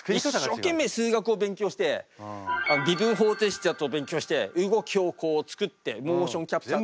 一生懸命数学を勉強して微分方程式ちゃんと勉強して動きをこう作ってモーションキャプチャーか何か。